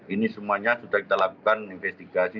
ini semuanya sudah kita lakukan investigasi